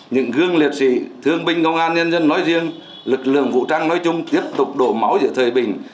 những gương liệt sĩ thương binh công an nhân dân nói riêng lực lượng vũ trang nói chung tiếp tục đổ máu giữa thời bình